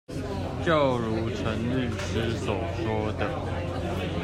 就如陳律師所說的